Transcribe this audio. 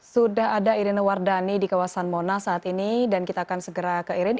sudah ada irina wardani di kawasan monas saat ini dan kita akan segera ke irin